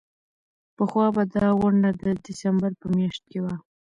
پخوا به دا غونډه د ډسمبر په میاشت کې وه.